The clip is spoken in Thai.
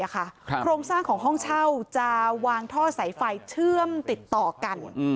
โครงสร้างของห้องเช่าจะวางท่อสายไฟเชื่อมติดต่อกัน